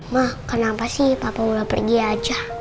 ma kenapa sih papa mula pergi aja